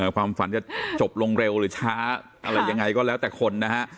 ความฝันจะจบลงเร็วหรือช้าอะไรยังไงก็แล้วแต่คนนะฮะ